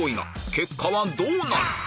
結果はどうなる⁉